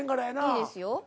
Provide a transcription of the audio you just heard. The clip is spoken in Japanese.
いいですよ。